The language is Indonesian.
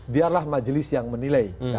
biarlah majelis yang menilai